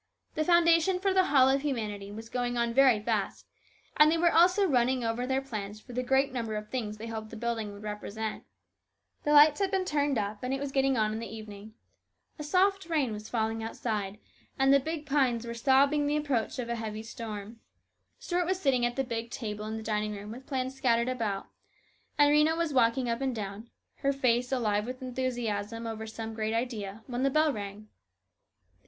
The foundation for The Hall of Humanity was going on very fast, and they were also running over their plans for the great number of things they hoped the building would represent. The lights had been turned up and it was getting on in the evening. A soft rain was falling outside, and the big pines were sobbing the approach of a heavy storm. Stuart was sitting at the b'g table in the dining room with plans scattered about, and Rhena was walking up and down, her face alive with enthusiasm over some great idea, when the bell rang.